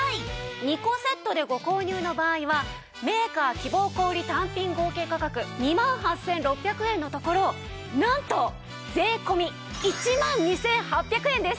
２個セットでご購入の場合はメーカー希望小売単品合計価格２万８６００円のところなんと税込１万２８００円です。